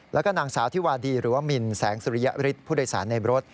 แล้วก็นางสาวที่วาดีหรือว่ามินแสงสุริยฤทธิ์ผู้โดยสารในรถ